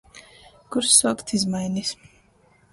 Kur suokt izmainis.